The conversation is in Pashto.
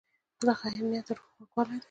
د خیر نیت د روح خوږوالی دی.